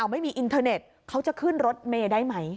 ไม่มีอินเทอร์เน็ตเขาจะขึ้นรถเมย์ได้ไหม